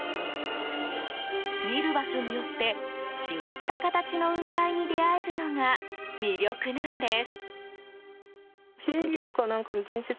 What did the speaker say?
見る場所によって違った形の雲海に出会えるのが魅力なんです。